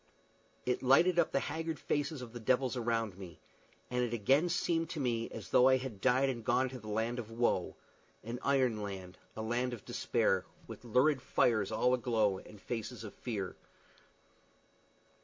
It lighted up the haggard faces of the devils around me, and it again seemed to me as though I had died and gone to the land of woe an iron land, a land of despair, with lurid fires all aglow and faces of fear.